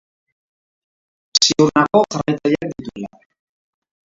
Ziur nago jarraitzaileak dituela.